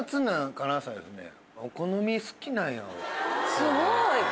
すごい。